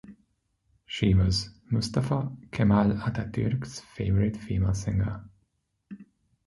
She was Mustafa Kemal Atatürk favorite female singer.